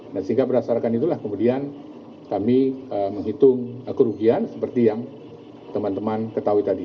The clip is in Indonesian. dan sehingga berdasarkan itulah kemudian kami menghitung kerugian seperti yang teman teman ketahui tadi